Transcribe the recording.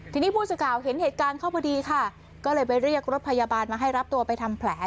ทีนี้ผู้สื่อข่าวเห็นเหตุการณ์เข้าพอดีค่ะก็เลยไปเรียกรถพยาบาลมาให้รับตัวไปทำแผล